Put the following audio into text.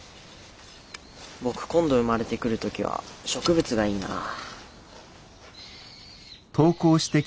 僕今度生まれてくる時は植物がいいなあ。